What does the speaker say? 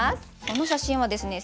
この写真はですね